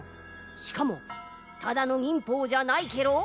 しかもただの忍法じゃないケロ。